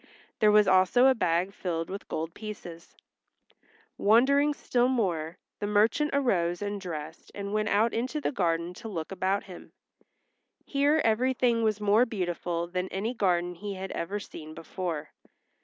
There was also a bag filled with gold pieces. Wondering still more, the merchant arose and dressed and went out into the gardens to look about him. Here everything was more beautiful than any garden he had ever seen before.